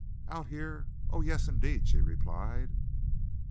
"Out here? Oh, yes, indeed!" she replied.